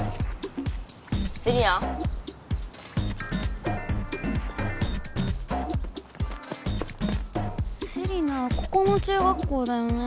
セリナ⁉セリナはここの中学校だよね？